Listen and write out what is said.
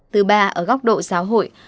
từ ba ở góc độ giáo hội